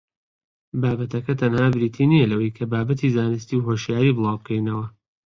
بابەتەکە تەنها بریتی نییە لەوەی کە بابەتی زانستی و هۆشیاری بڵاوبکەینەوە